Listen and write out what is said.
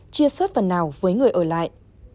chia sớt phần nào với người ở lại